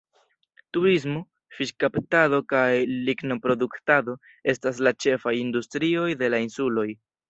Turismo, fiŝkaptado kaj lignoproduktado estas la ĉefaj industrioj de la insuloj.